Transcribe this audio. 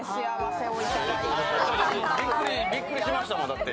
びっくりしましたもん、だって。